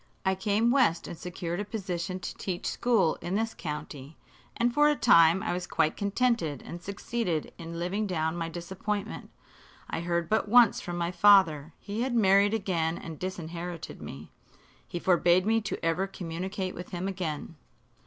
I came west and secured a position to teach school in this county, and for a time I was quite contented and succeeded in living down my disappointment. I heard but once from my father. He had married again and disinherited me. He forbade me to ever communicate with him again.